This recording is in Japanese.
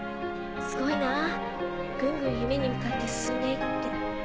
すごいなぁぐんぐん夢に向かって進んで行って。